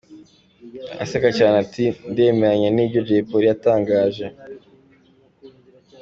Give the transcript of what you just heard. Aseka cyane ati “Ndemeranya n'ibyo Jay Polly yatangaje.